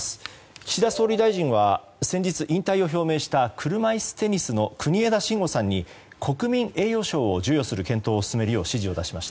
岸田総理は先日、引退を表明した車いすテニスの国枝慎吾さんに国民栄誉賞を授与する検討を進めるよう指示を出しました。